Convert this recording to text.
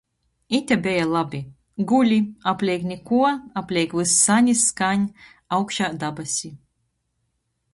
Ite beja labi. Guli, apleik nikuo, apleik vyss saņ i skaņ, augšā dabasi.